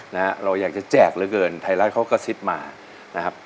นะฮะเราอยากจะแจกเหลือเกินไทยรัฐเขากระซิบมานะครับ